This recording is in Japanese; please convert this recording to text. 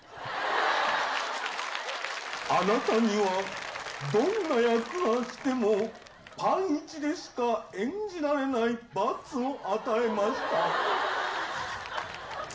あなたには、どんな役が来ても、パンイチでしか演じられない罰を与えました。